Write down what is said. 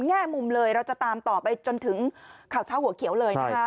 อีกหลายแง่มุมเลยเราจะตามต่อไปจนถึงขาวเช้าหัวเขียวเลย